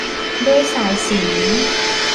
ด้ายสายสิญจน์